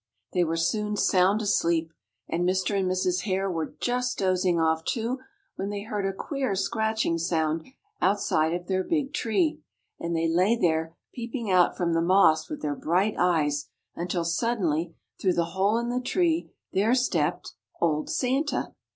They were soon sound asleep, and Mr. and Mrs. Hare were just dozing off, too, when they heard a queer, scratching sound, outside of their big tree, and they lay there peeping out from the moss with their bright eyes until suddenly, through the hole in the tree, there stepped—old Santa.